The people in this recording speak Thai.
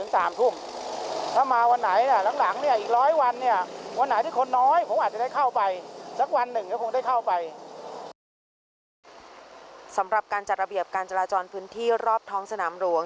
สำหรับการจัดระเบียบการจราจรพื้นที่รอบท้องสนามหลวง